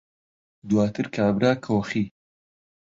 دواتر کابرا کۆخی